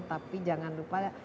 tapi jangan lupa